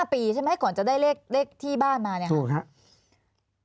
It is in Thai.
๔๕ปีใช่ไหมก่อนจะได้เลขที่บ้านมาเนี่ยครับถูกครับ